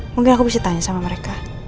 mungkin aku bisa tanya sama mereka